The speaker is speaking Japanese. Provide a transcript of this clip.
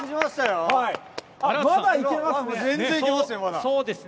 まだいけますね。